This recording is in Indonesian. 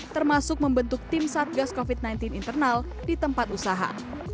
termasuk membentuk tim satgas covid sembilan belas internal di tempat usaha